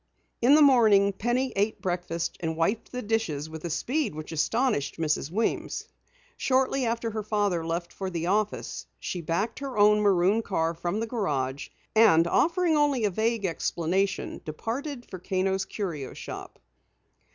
In the morning Penny ate breakfast and wiped the dishes with a speed which astonished Mrs. Weems. Shortly after her father left for the office, she backed her own maroon car from the garage, and offering only a vague explanation, departed for Kano's Curio Shop.